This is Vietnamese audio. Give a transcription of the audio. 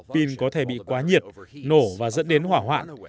pin có thể bị quá nhiệt nổ và dẫn đến hỏa hoạn